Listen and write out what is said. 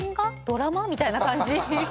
ドラマ？みたいな感じ